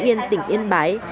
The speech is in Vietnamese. biên tỉnh yên bái